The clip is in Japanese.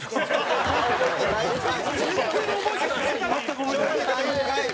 全然覚えてない？